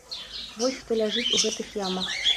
Вось хто ляжыць у гэтых ямах.